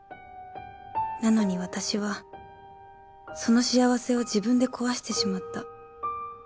なのに私は、その幸せを自分で壊してしまった。